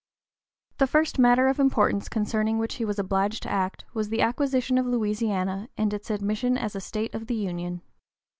The first matter of importance concerning which he was obliged to act was the acquisition of Louisiana and its admission as a state of the Union.